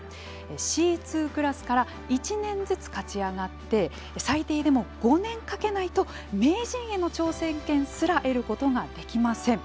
Ｃ２クラスから１年ずつ勝ち上がって最低でも５年かけないと名人への挑戦権すら得ることができません。